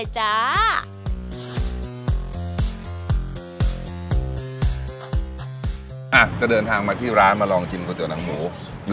จะเดินทางมาที่ร้านมาลองชิมก๋วหนังหมู